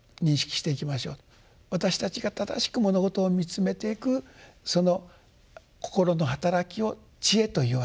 私たちが正しく物事を見つめていくその心の働きを智慧というわけです。